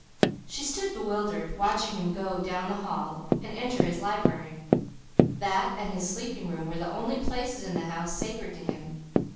She stood bewildered, watching him go down the hall and enter his library. That and his sleeping room were the only places in the house sacred to him.